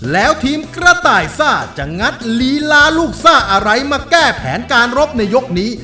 แล้วทีมกระต่ายซ่าจะงัดลีลาลูกซ่าอะไรมาแก้แผนการรบในยกนี้